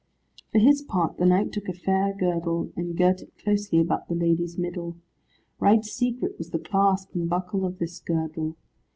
For his part the knight took a fair girdle, and girt it closely about the lady's middle. Right secret was the clasp and buckle of this girdle.